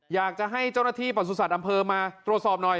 อยากจะให้เจ้าหน้าที่ประสุทธิ์อำเภอมาตรวจสอบหน่อย